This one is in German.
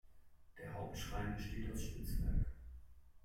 Der Hauptschrein besteht aus Schnitzwerk.